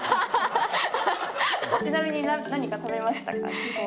ちなみに何か食べましたか？